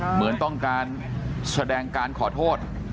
เหมือนต้องการแสดงการขอโทษ